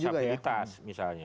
belum pemilih disabilitas misalnya